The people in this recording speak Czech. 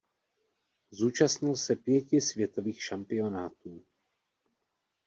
Zúčastnil se pěti světových šampionátů.